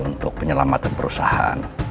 untuk penyelamatan perusahaan